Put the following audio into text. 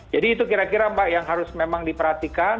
jadi itu kira kira mbak yang harus memang diperhatikan